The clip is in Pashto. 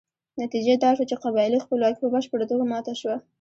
نتیجه دا شوه چې قبایلي خپلواکي په بشپړه توګه ماته شوه.